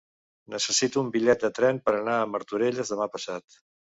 Necessito un bitllet de tren per anar a Martorelles demà passat.